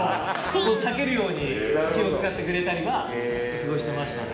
避けるように気を遣ってくれたりはすごいしてましたね。